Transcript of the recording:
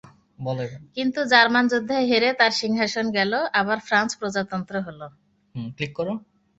কিন্তু জার্মান-যুদ্ধে হেরে তাঁর সিংহাসন গেল, আবার ফ্রাঁস প্রজাতন্ত্র হল।